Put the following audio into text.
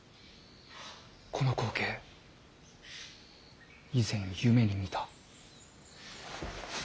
この光景以前夢に見た。